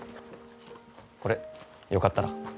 これよかったら。